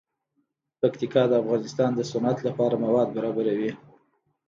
پکتیکا د افغانستان د صنعت لپاره مواد برابروي.